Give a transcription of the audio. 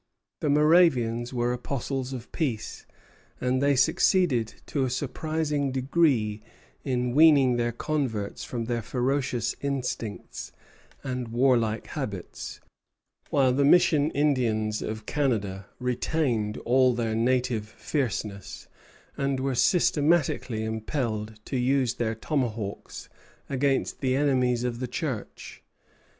The Moravians were apostles of peace, and they succeeded to a surprising degree in weaning their converts from their ferocious instincts and warlike habits; while the Mission Indians of Canada retained all their native fierceness, and were systematically impelled to use their tomahawks against the enemies of the Church.